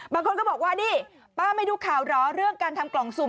บางคนก็บอกว่านี่ป้าไม่ดูข่าวเหรอเรื่องการทำกล่องสุ่ม